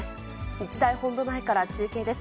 日大本部前から中継です。